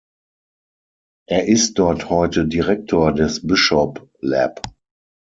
Er ist dort heute Direktor des Bishop Lab.